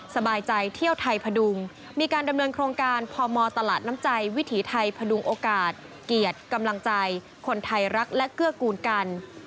สบายใจเที่ยวไทยพดุงมีการดำเนินโครงการพมตลาดน้ำใจวิถีไทยพดุงโอกาสเกียรติกำลังใจคนไทยรักและเกื้อกูลกัน